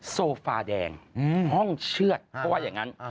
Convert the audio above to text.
โซฟาแดงห้องเชือดเพราะว่าอย่างนั้น